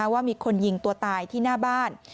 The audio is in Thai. ว่ามีคนยิงตัวตายที่หน้าบ้าน